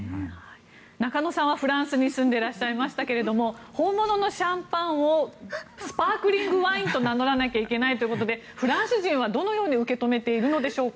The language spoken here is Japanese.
中野さんはフランスに住んでいらっしゃいましたが本物のシャンパンをスパークリングワインと名乗らなきゃいけないということでフランス人はどのように受け止めているんでしょうか。